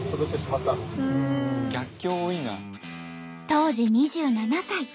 当時２７歳。